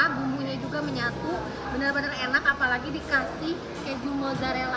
bumbunya juga menyatu benar benar enak apalagi dikasih keju mozzarella